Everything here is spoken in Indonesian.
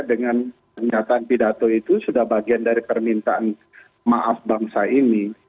dengan pernyataan pidato itu sudah bagian dari permintaan maaf bangsa ini